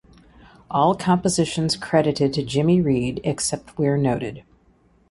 All compositions credited to Jimmy Reed except where noted